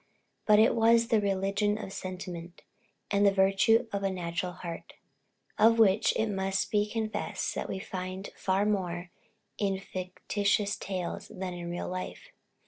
But it was the religion of sentiment, and the virtue of the natural heart; of which it must be confessed we find far more in fictitious tales, than in real life.